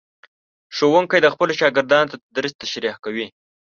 ښوونکي خپلو شاګردانو ته درس تشریح کوي.